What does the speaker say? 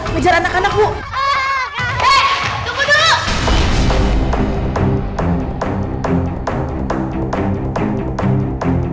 mejar anak anak bu